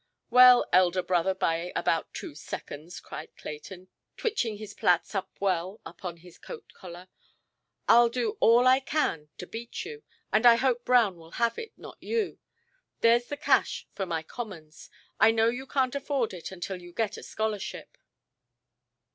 "Well, elder brother by about two seconds", cried Clayton, twitching his plaits up well upon his coat–collar. "Iʼll do all I can to beat you. And I hope Brown will have it, not you. Thereʼs the cash for my commons. I know you canʼt afford it, until you get a scholarship".